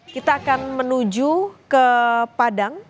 kita akan menuju ke padang